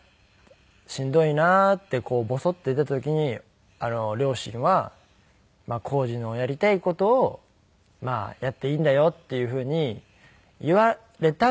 「しんどいな」ってボソッて出た時に両親は「康二のやりたい事をやっていいんだよ」っていうふうに言われたんですけど。